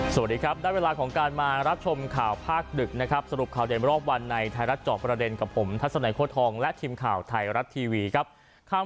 สวัสดีครับได้เวลาของการมารับชมข่าวภาคดึกนะครับสรุปข่าวเด่นรอบวันในไทยรัฐจอบประเด็นกับผมทัศนัยโค้ทองและทีมข่าวไทยรัฐทีวีครับ